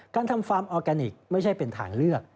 ทำฟาร์มออร์แกนิคไม่ใช่เป็นทางเลือก